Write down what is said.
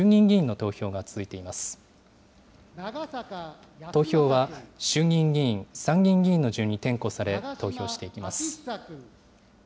投票は衆議院議員、参議院議員の順に点呼され、投票していきます。